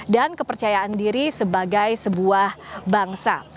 dan kepercayaan diri sebagai sebuah bangsa